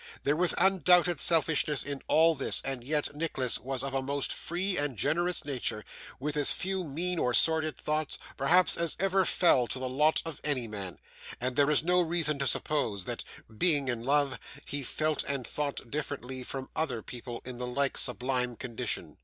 There was undoubted selfishness in all this, and yet Nicholas was of a most free and generous nature, with as few mean or sordid thoughts, perhaps, as ever fell to the lot of any man; and there is no reason to suppose that, being in love, he felt and thought differently from other people in the like sublime condition.